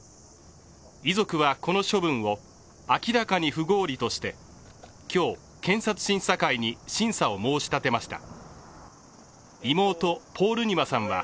遺族は、この処分を明らかに不合理として、今日、検察審査会に審査を申し立てました。